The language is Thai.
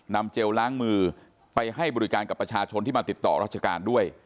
เจลล้างมือไปให้บริการกับประชาชนที่มาติดต่อราชการด้วย